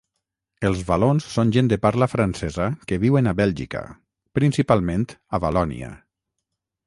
Els valons són gent de parla francesa que viuen a Bèlgica, principalment a Valònia.